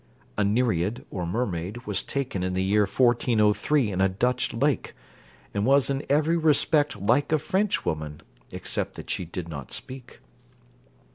A nereid, or mermaid, was taken in the year 1403 in a Dutch lake, and was in every respect like a French woman, except that she did not speak.